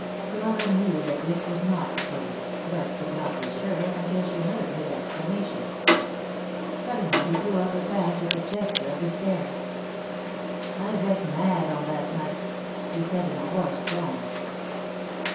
Dora knew that this was not the case, but could not be sure until she heard his explanation. Suddenly he threw up his hands with a gesture of despair. "I was mad on that night," he said in a hoarse tone.